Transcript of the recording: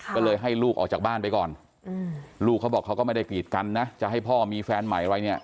ก็เลยให้ลูกออกจากบ้านไปก่อนลูกเขาบอกเขาก็ไม่ได้กีดกันนะจะให้พ่อมีแฟนใหม่อะไรเนี่ย